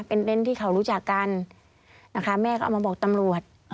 เป็นเน้นที่เขารู้จักกันนะคะแม่ก็เอามาบอกตำรวจ